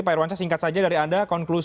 pak irwansyah singkat saja dari anda